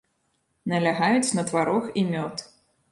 Налягаюць на тварог і мёд.